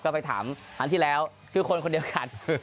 ก็ไปถามครั้งที่แล้วคือคนคนเดียวกัน